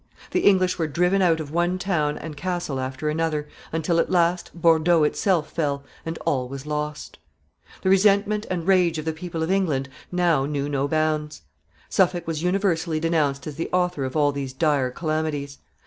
The English were driven out of one town and castle after another, until, at last, Bordeaux itself fell, and all was lost. [Sidenote: Excitement in England.] The resentment and rage of the people of England now knew no bounds. Suffolk was universally denounced as the author of all these dire calamities.